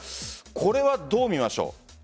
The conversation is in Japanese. これはどう見ましょう。